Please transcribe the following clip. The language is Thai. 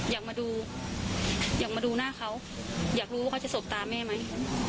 อยากมาดูอยากมาดูหน้าเขาอยากรู้เขาจะสบตาแม่ไหม